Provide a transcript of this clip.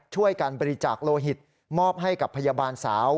ช่วยการบริจาคโลหิตมอบให้กับพยาบาลสาว